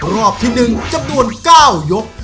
รอบที่๑จำนวน๙ยก